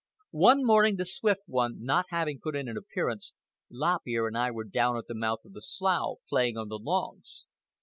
One morning, the Swift One not having put in an appearance, Lop Ear and I were down at the mouth of the slough playing on the logs.